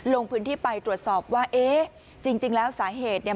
ลงพื้นที่ไปตรวจสอบว่าเอ๊ะจริงแล้วสาเหตุเนี่ย